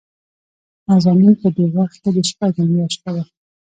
نازنين په دې وخت کې دشپږو مياشتو وه.